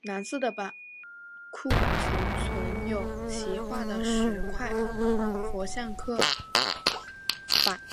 南寺的版库曾存有其画的十块佛像刻版。